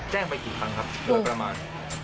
แจ้งไปกี่ครั้งครับประมาณ